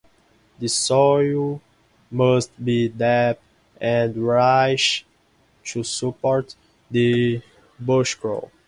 The soil must be deep and rich to support the bushcrow.